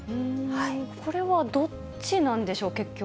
これはどっちなんでしょう？